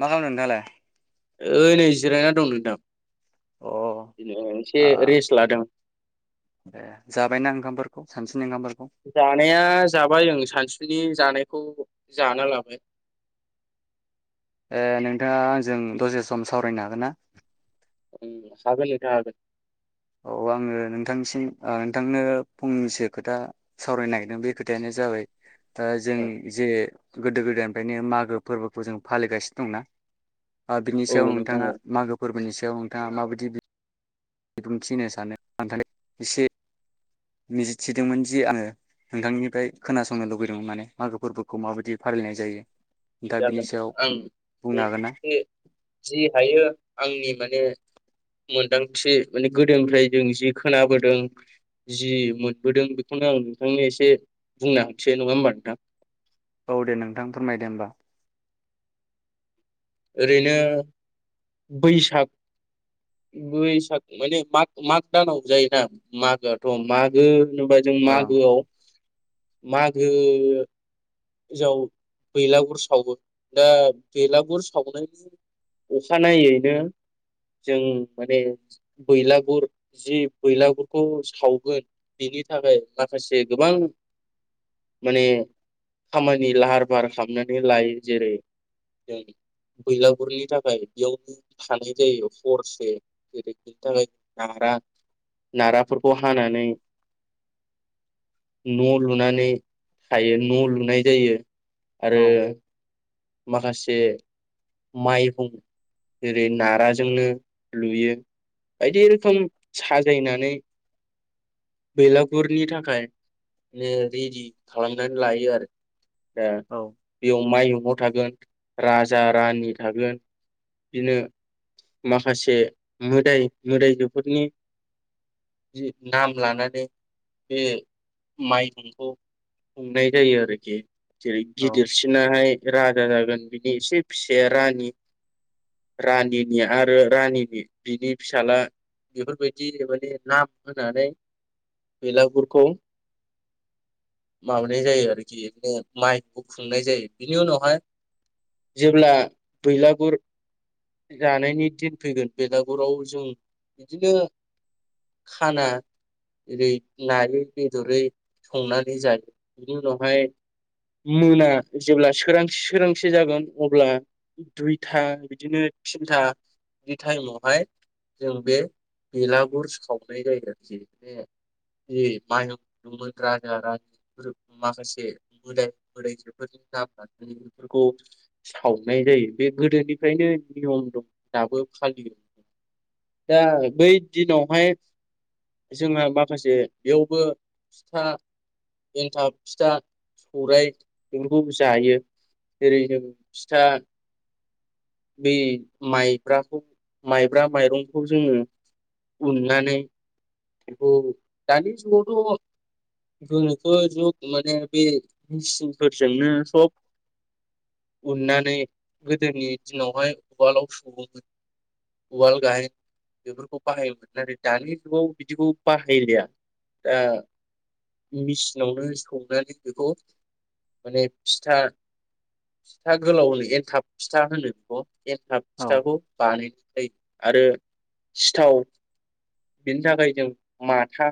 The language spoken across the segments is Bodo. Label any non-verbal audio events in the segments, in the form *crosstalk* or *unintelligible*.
मा खालामदों नोंथाङालाय। ओइ नै जिरायना दं नोंथां। अ बिनि एसे आ रेस्ट लादों। ए जाबायना ओंखामफोरखौ सानसुनि ओंखामफोर जानाया जाबाय ओं सानसु नि जानायखौ जाना लाबाय। ए नोंथाङा आंजों दसे सम सावरायनो हागोन ना ओ हागोन नोंथां हागोन औ आङो नोंथांनिसिम नोंथांनो फंनैसो खोथा सावरायनो नागिरदों बे खोथायानो जाबाय। ओ जों हागोन जे गोदो गोदायनिफ्रायनो मागो फोरबोखौ जों फालिगासिनो दंना। ओ बिनि औ सायाव नोंथां नोंथाङा औ मागो फोरबोनि स याव नोंथाङा माबायदि बि बिबुंथि होनो सानो नाथाय एसे मिजिथिदोंमोन जि आङो नोंथांनिफ्राय खोनासंनो लुबैदोंमोन माने मागो फोरबोखौ माबायदि फालिनाय जायो। नोंथाङा बिनि जागोन सायाव आं बुं बुंनो हागोन ना एसे जि हायो आंनि माने मोनदांथि माने गोदोनिफ्राय जों जि खोनाबोदों जि मोनबोदों बेखौनो आं नोंथांनो एसे बुंनो हसै नङा होमबा नोंथां। औ दे नोंथां फोरमायदो होमबा। ओरैनो बैसाग बैसाग माने माग माग दानाव जायोना मागोआथ मागो। जेनबा जों ओं मागोआव। मागो जाव बैलागुर सावो दा बैलागुर सावनायनि अखानायैनो जों माने बैलागुर जि बैलागुरखौ सावगोन बेनि थाखाय माखासे गोबां माने खामानि लाहार फाहार खालामनानै लायो जेरै जों बैलागुरनि थाखाय बेयावनो थानाय जायो हरसे जेरै बेनि थाखाय नारा नाराफोरखौ हानानै न लुनानै थायो न लुनाय जायो। औ आरो माखासे *unintelligible* जेरै नाराजोंनो लुयो बायदि रोखोम साजायनानै बेलागुरनि थाखाय ओ रेडि खालामनानै लायो आरो। औ *unintelligible* थागोन राजा रानि थागोन बिदिनो माखासे मोदाय मोदायजोफोरनि नाम लानानै बे माइहुंखौ खुंनाय जायो आरोकि। जेरै औ गिदिरसिनाहाय राजा जागोन बिनि एसे फिसाया रानि रानिनि आरो रानिनि बिनि फिसाला बेफोरबायदि माने नाम होनानै बेलागुरखौ माबानाय जायो आरोकि *unintelligible* खुंनाय जायो। बिनि उनावहाय जेब्ला बैलागुर जानायनि दिन फैगोन बेलागुराव जों बिदिनो खाना जेरै नायै बेदरै संनानै जायो बेनि उनावहाय मोना जेब्ला सोरांसि सोरांसि जागोन अब्ला दुइथा बिदिनो थिनथानि टाइमावहाय जों बे बेलागुर सावनाय जायो आरो खि बे जि *unintelligible* राजा रानि आरो माखासे मोदाय मोदाइ जो *unintelligible* बेफोरखौ सावनाय जायो बे गोदोनिफ्रायनो नियम दं दाबो फालियो दा बै दिनावहाय जोंहा माखासे बेयावबो फिथा एन्थाब फिथा सौराय बेफोरखौ जायो जेरै जों फिथा बेै माइब्राखौ माइब्रा माइरंखौ जोङो उननानै बेखौ दानि जुगावथ गोनोखो जुग माने बे मेसिनफोरजोंनो सब उननानै गोदोनि दिनावहाय उवालाव सौवोमोन उवाल *unintelligible* बेफोरखौ बाहायोमोन नाथाय दानि जुगाव बिदिखौ बाहायलिया ओ मेसिनावनो सौनानै बेखौ माने फिथा फिथा गोलाव होनो एनथाब फिथा होनो। *unintelligible* एन्थाब औ फिथाखौ बानायनाय जायो। आरो सिथाव बिनि थाखाय जों माथा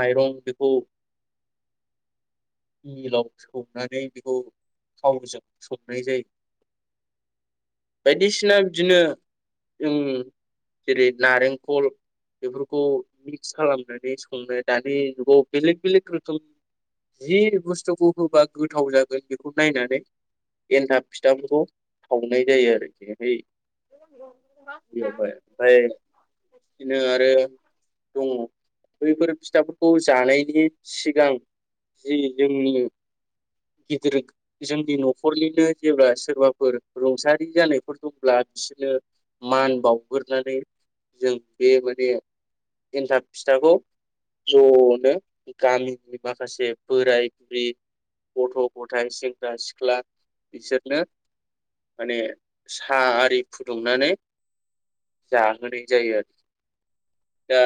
माइरं बेखौ मिलाव सौनानै बेखौ थावजों संनाय जायो बायदिसिना बिदिनो जों जेरै नालेंखर बेफोरखौ मिक्स खालामनानै संनो दानि जुगाव बेलेग बेलेग रोखोम जि बुस्थुखौ होबा गोथाव जागोन बेखौ नायनानै एन्थाब फिथाफोरखौ सावनाय जायो बेयावहाय ओमफ्राय बिदिनो आरो दङ बैफोर फिथाफोरखौ जानायनि सिगां जि जोंनि गिदिर जोंनि नखरनिनो जेब्ला सोरबाफोर रुंसारि जानायफोर दंब्ला बिसोरनो मान बाउग्रोनानै जों बे बादि एन्थाब फिथाखौ जनो गामिनि माखा से बोराइ बुरि गथ' गथाइ सेंग्रा सिख्ला बिसोरनो माने सा आरि फुदुंनानै जाहोनाय जायो दा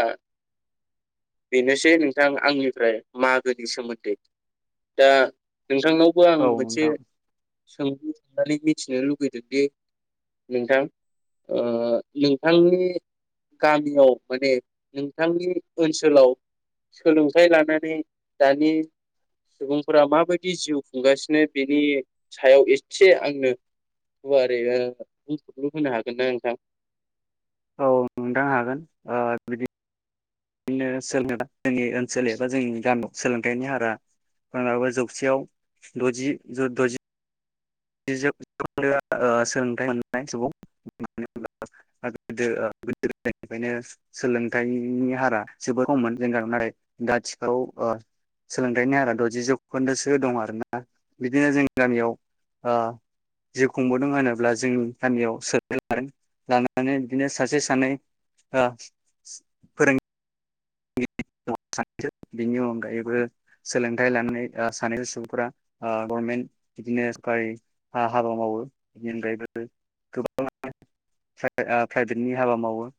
बेनोसै नोंथां आंनिफ्राय मागोनि सोमोन्दै दा नोंथांनावबो आं औ मोनसे नोंथां सोंलु सोंनानै मिथिनो लुुबैदोंदि नोंथां ओ नोंथांनि गामिआव माने नोंथांनि ओनसोलाव सोलोंथाइ लानानै दानि सुबुंफोरा माबायदि जिउ खुंगासिनो बेनि सायाव एसे आंनो गुवारै बुंफुरलु होनो हागोन ना नोंथां? औ नोंथां हागोन ओ बिदि नो सोरनावबा जोंनि ओनसोल एबा जोंनि गामिआव सोलोंथायनि हारा मालाबा जौसेआव दजि दजि जौखोन्दोआ ओ सोलोंथाय मोननाय सुबुं मानो होनोब्ला गोदो ओ गोदो गोदायनिफ्रायनो सोलोंथायनि हारा जोबोद खममोन *inaudible* ओ सोलोंथाय हारा दजि जौखोन्दोसो दं आरोना बिदिनो जों गामिआव ओ जिव खुंबोदों होनोब्ला जोंनि गामियाव सोलोंथाय लादों लानानै बिदिनो सासे सानै आ फोरों *inaudible* दङ सानैसो बिनि अनगायैबो सोलोंथाइ लानाय ओ सानैसो सुबुंफोरा ओ गभमेन्ट बिदिनो *unintelligible* हाबा मावो *inaudible* गोबाङानो प्राइ ओ प्राइभेटनि हाबा मावो।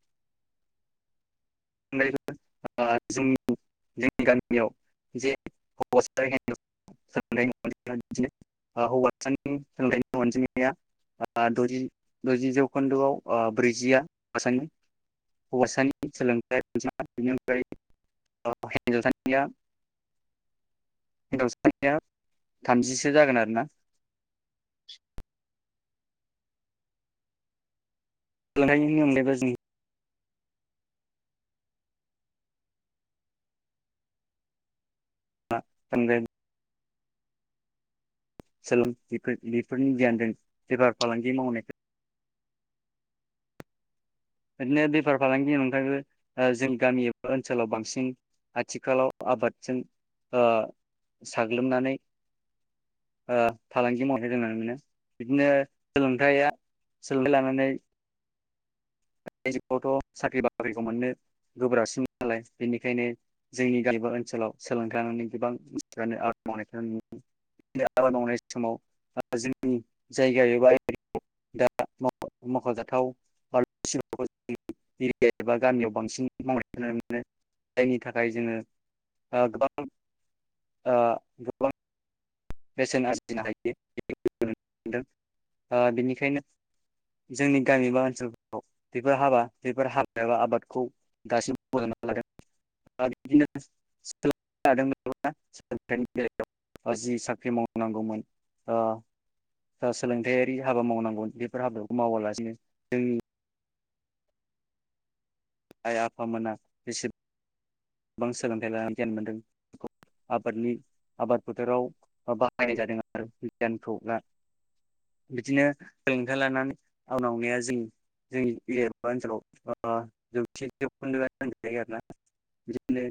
*inaudible* जोंनि जोंनि गामियाव जे हौवासा हिन्जावसा सानै अनजिमाया बिदिनो हौवासानि सोलोंथाइनि अनजिमाया ओ दजि दजि जौखोन्दोआव ओ ब्रैजिआ हौवासानि हौवासानि सोलों *inaudible* बिनि अनगायैबो ओ हिन्जावसानिया हिनजाव सानिया थामजिसो जागोन आरो ना। सोलोंथाइनि अनगायैबो जों *unintelligible* *unintelligible* बेफोर बेफोरनि गियानजों बेफार फालांगि मावनायखौ बिदिनो बेफार फालांगिनि अनगायैबो ओ जों गामियाव ओनसोलाव बांसिन आथिखालाव आबादजों ओ साग्लोबनानै ओ फालांगि मावनाय जोङो मोनो बिदिनो सोलोंथाया सोलोंथाइ लानानै *inaudible* *inaudible* एरिया एबा गामियाव बांसिन मावनायखौ नुनो मोनो जायनि थाखाय जोङो ओ गोबां ओ गोबां बेसेन आरजिनो हायो दों बेनिखायनो जोंनि गामि बा ओनसोलफोराव बेफोर हाबा बेफोर हाबा एबा आबादखौ दासिमबो बजबना लादों। *inaudible* साख्रि मावनांगौमोन ओ सोलोंथायारि हाबा मावनांगौमोन बेफोर हाबाखौ मावालासिनो जोंनि आइ आफामोना जसेब गोबां सोलोंथाइ लानानै गियान मोनदों आबादनि आबाद फोथोराव बाहायनाय जादों आरो गियानखौ द बिदिनो सोलोंथाइ लानानै आनावनाया जों जोंनि ओनसोलाव ओ जौथि जौखोन्दोआनो होनजायो आरोना बिदिनो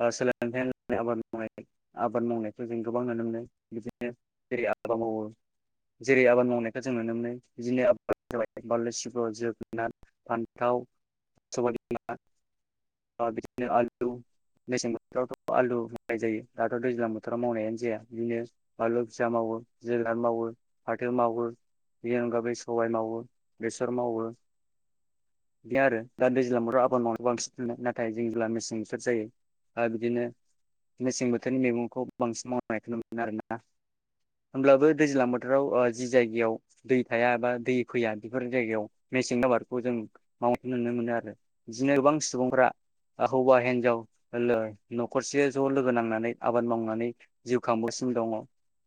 ओ सोलोंथायानो आबाद मावनाय आबाद मावनायफोरजों गोबां नुनो मोनो बिदिनो जेरै आबाद मावो जेरै आबाद मावनायखौ जों नुनो मोनो बिदिनो आबादआ जाबाय बानलै सिब्र जोगोनाद फान्थाव सबाय बिमा बिदिनो आलु मेसें बोथोरावथ आलु मावनाय जायो दाथ दैज्लां बोथोरावथ मावनायानो जाया बिनो बानलु फिसा मावो जोगोनार मावो फाथो मावो बिनि अनगाबो सबाय मावो बेसर मावो बिआरो। दा दैज्लां बोथोराव आबाद मावनो बांसिन मोनो नाथाय जों जेब्ला मेसें बोथोर जायो बिदिनो मेसें बोथोरनि मैगंखौ बांसिन मावनायनायखौ ननो मोनो आरोना होमब्लाबो दैज्लां बोथोराव जि जायगायाव दै थाया बा दै फैया बेफोर जायगायाव मेसें आबादखौ जों मावनायखौ नुनो मोनो। आरो बिदिनो गोबां सुबुंफ्रा हौवा हिनजाव नखरसे ज लोगो नांनानै आबाद मावनानै जिउ खांबोासिनो दङ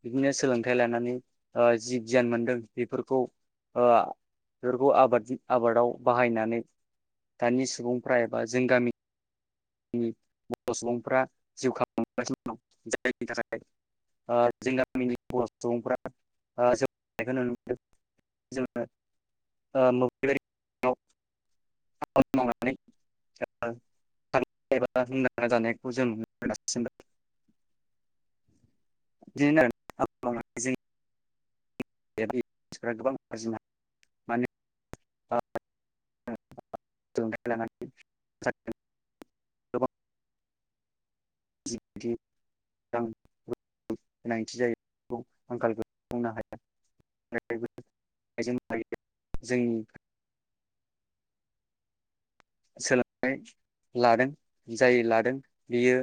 बिदिनो सोलोंथाइ लानानै जि गियान मोनदों बेफोरखौ बेफोरखौ आबाद आबादाव बाहायनानै दानि सुबुंफ्रा एबा जों गामिनि बर सुबुंफ्रा जिउ खांगासिनो दं जायनि थाखाय ओ जों गामिनि बर सुबुंफ्रा जौगानायखौ नुनो मोनदों जोङो *unintelligible* खामानि मावनानै एबा *unintelligible* जानायखौ जों नुगासिनोबो। बिदिनो *unintelligible* मानसि गोबां आरजिनो *unintelligible* गोनथि जायो आंखालखौ बुंनो हाया जोंनि *unintelligible* सोलोंनाय लादों जाय लादों बियो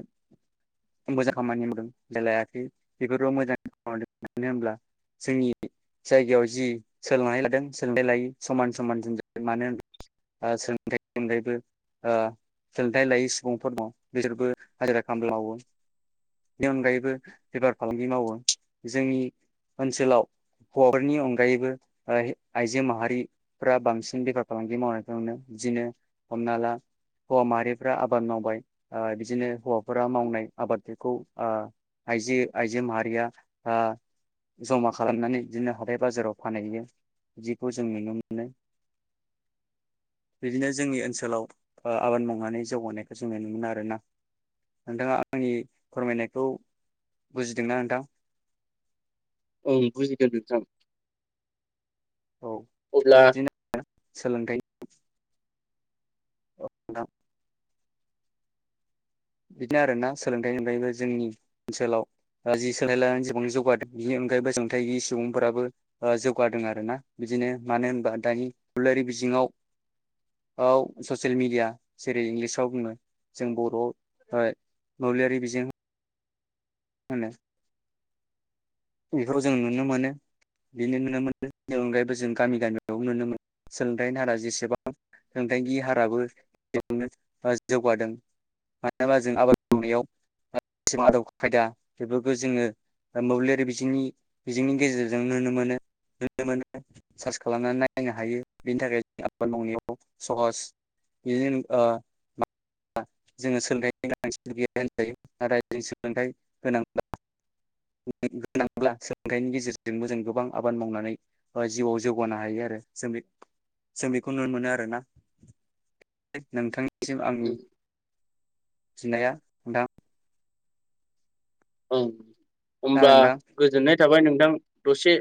मोजां खामानि मावदों जाय लायाखै बेफोरबो मोजां मावदों मानो होनब्ला जोंनि जायगायाव जि सोलोंनाय लादों सोलोंथाइ लायै समान समान जोंजों मानो होनब्ला ओ *unintelligible* बेनि अनगायैबो ओ सोलोंथाइ लायै सुबुंफोर दं बिसोरबो हाजिरा खामला मावो बेनि अनगायैबो बेफार फालांगि मावो जोंनि ओनसोलाव हौवाफोरनि अनगायैबो आइजो माहारिफोरा बांसिन बेफार फालांगि मावनायखौ नुनो बिदिनो हमना ला हौवा माहारिफ्रा आबाद मावबाय बिदिनो हौवाफोरा मावनाय आबादफोरखौ ओ आइजो आइजो माहारिया जमा खालामनानै बिदिनो हाथाय बाजाराव फानहैयो बिदिखौ जों नुनो मोनो, बिदिनो जोंनि ओनसोलाव आबाद मावनानै जौगानायखौ जोङो नुनो मोनो आरोना नोंथाङा, आंनि फोरमायनायखौ बुजिदोंना नोंथां? औ बुजिदों नोंथां। औ अब्ला बिदिनो सोलोंथाइ औ नोंथां। बिदिनो आरोना सोलोंथाइनि अनगायैबो जोंनि ओनसोलाव जि सोलोंथाइ लानानै जसेबां जौगाहोदों बिनि अनगायैबो सोलोंथाइ गैयि सुबुंफोराबो जौगाहोदों आरोना बिदिनो मानो होनबा दानि दलारि बिजोङाव ससियेल मेडिया जेरै इंलिसाव बुङो जों बर हय मोब्लिआरि बिजिं *unintelligible* बेफोरखौ जों नुनो मोनो बेनो नुनो मोनो बेनि अनगायैबो जों गामि गामियाव नुनो मोनो सोलोंथायाइनि हारा जेसेबां सोलोंथाइ हाराबो बेयावनो जौगादों मानो होनबा जों आबाद मावनायाव *unintelligible* आदब खायदा बेफोरखौ जोङो मोब्लिआरि बि बिजोंनि बिजोंनि गेजेरजों नुनो मोनो नुनो मोनो सार्च खालामनानै नायनो हायो बिनि थाखाय आबाद मावनायाव सहस बिजोंनो ओ जोङो सोलोंथाइनि गोनांथि गेया होनजायो नाथाय जों सोलोंथाइ गोनांब्ला गोनांब्ला सोलोंथाइनि गेजेरजोंबो जों गोबां आबाद मावनानै जिउआव जौगानो हायो आरो जों बेखौ नुनो मोनो आरोना, नोंथांनि सिम आं ओं सिनाया नोंथां। औ होमब्ला खोनादों नोंथां गोजोननाय थाबाय नोंथां दसे